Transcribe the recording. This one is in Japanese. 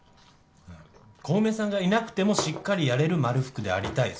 うん小梅さんがいなくてもしっかりやれるまるふくでありたい。